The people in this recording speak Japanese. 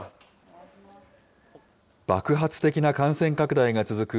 爆発的な感染拡大が続く